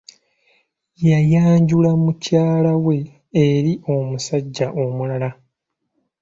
Yayanjula mukyala we eri omusajja omulala.